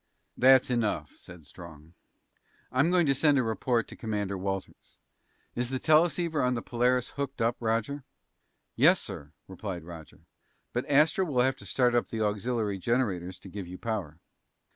"That's enough" said Strong. "I'm going to send a report to Commander Walters. Is the teleceiver on the Polaris hooked up, Roger?" "Yes, sir," replied Roger. "But Astro will have to start up the auxiliary generators to give you power."